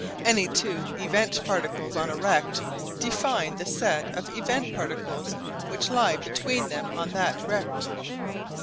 Any two event particles on a rect define the set of event particles which lie between them on that rect.